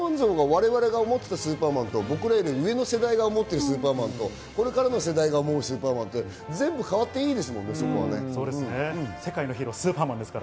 我々が思っていたスーパーマンとさらに上の世代のスーパーマンとこれからの世代のスーパーマンと変わっていいですもんね。